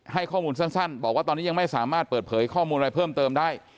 ให้ข้อมูลสั้นบอกว่าตอนนี้ยังไม่สามารถเปิดเผยข้อมูลอะไรเพิ่มเติมได้